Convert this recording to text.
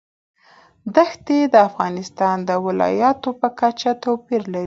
دښتې د افغانستان د ولایاتو په کچه توپیر لري.